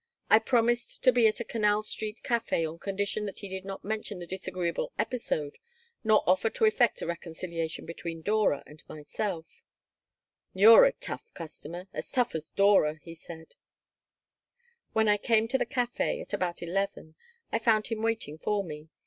I promised to be at a Canal Street café on condition that he did not mention the disagreeable episode nor offer to effect a reconciliation between Dora and myself "You're a tough customer. As tough as Dora," he said When I came to the café, at about 11, I found him waiting for me.